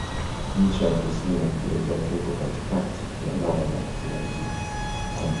Ncha ya kusini ya kijiografia iko katikati ya bara la Antaktiki.